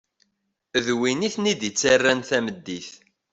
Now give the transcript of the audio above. D win i ten-id-ttaren tameddit.